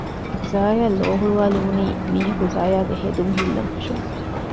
ޒާޔާއަށް ލޯހުޅުވާލެވުނީ މީހަކު ޒާޔާގެ ހެދުން ހިއްލަން ފެށުމުން